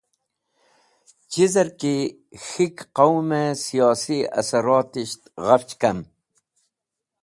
Chizerki K̃hik Qawme Siyosi asarotisht ghafch Kam.